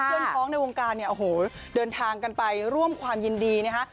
พ้องในวงการเนี่ยโอ้โหเดินทางกันไปร่วมความยินดีนะคะ